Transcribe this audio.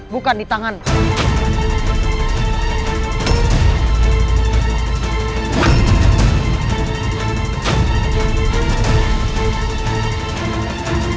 bukan di tanganmu